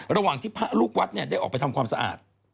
ระหว่างที่พระลูกวัดได้ออกไปทำความสะอาด